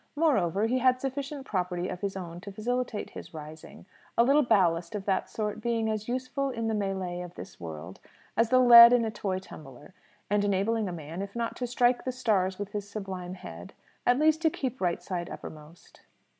Moreover, he had sufficient property of his own to facilitate his rising a little ballast of that sort being as useful in the melée of this world as the lead in a toy tumbler, and enabling a man, if not to strike the stars with his sublime head, at least to keep right side uppermost.